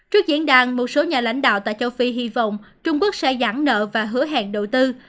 trước diễn đàn một số nhà lãnh đạo tại châu phi hy vọng trung quốc sẽ giãn nợ và hứa hẹn đầu tư